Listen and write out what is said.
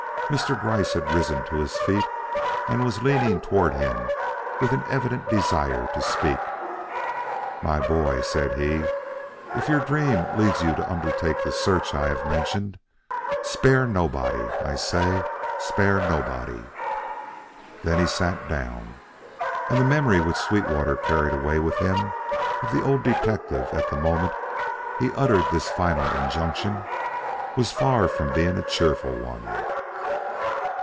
Mr. Gryce had risen to his feet and was leaning toward him with an evident desire to speak. "My boy," said he, "if your dreams lead you to undertake the search I have mentioned, spare nobody; I say, spare nobody." Then he sat down; and the memory which Sweetwater carried away with him of the old detective at the moment he uttered this final injunction was far from being a cheerful one.